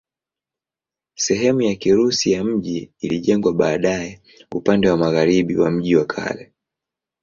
Sehemu ya Kirusi ya mji ilijengwa baadaye upande wa magharibi wa mji wa kale.